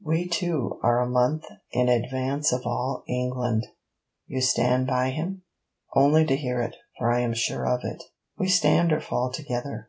We two are a month in advance of all England. You stand by him? only to hear it, for I am sure of it!' 'We stand or fall together.'